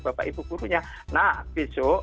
bapak ibu gurunya nah besok